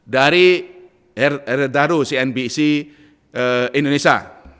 dari redaru cnbc indonesia